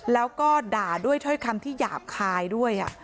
แล้วก็ด่าด้วยถ้อยคำที่หยาบคายด้วย